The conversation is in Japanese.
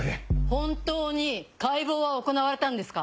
本当に解剖は行われたんですか？